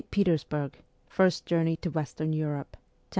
PETERSBURG FIRST JOURNEY TO WESTERN EUROPE VOL.